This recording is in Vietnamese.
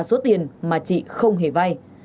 số tiền mà chị không hề vay